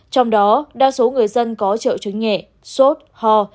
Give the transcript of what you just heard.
trong đó đa số người dân có triệu chứng nhẹ sốt ho